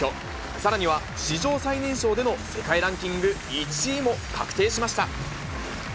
さらには、史上最年少での世界ランキング１位も確定しました。